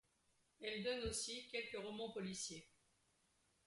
Elle donne aussi quelques romans policiers.